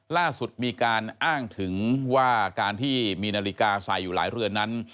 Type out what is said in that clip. ล่าสุดมีการอ้างถึงว่าการที่มีนาฬิกาใส่อยู่หลายเรือนนั้น